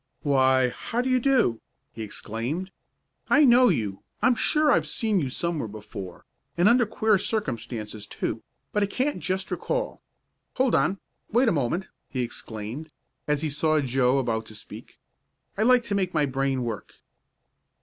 "Why, how do you do!" he exclaimed. "I know you I'm sure I've seen you somewhere before, and under queer circumstances, too, but I can't just recall hold on, wait a moment!" he exclaimed, as he saw Joe about to speak. "I like to make my brain work.